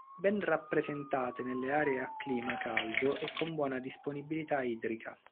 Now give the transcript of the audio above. Ben rappresentate nelle aree a clima caldo e con buona disponibilità idrica.